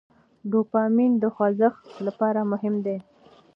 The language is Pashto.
ډوپامین د خوځښت لپاره مهم دی.